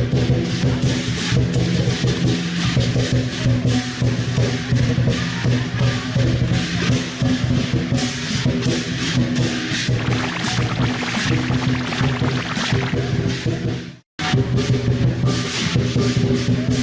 โปรดติดตามตอนต่อไป